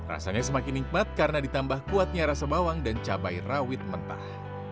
rasanya semakin nikmat karena ditambah kuatnya rasa bawang dan cabai rawit mentah